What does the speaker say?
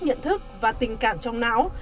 nhận thức và tình cảm trong não